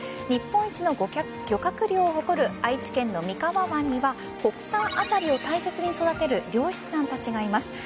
日本一の漁獲量を誇る愛知県の三河湾には国産アサリを大切に育てる漁師さんたちがいます。